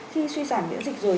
khi suy giảm miễn dịch rồi